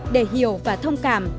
để hiểu và thông cảm